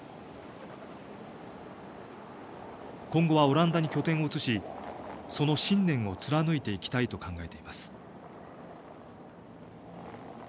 今後はオランダに拠点を移しその信念を貫いていきたいと考えています。